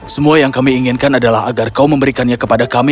semua yang kami inginkan adalah agar kau memberikannya kepada kami